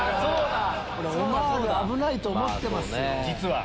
オマール危ないと思ってますよ。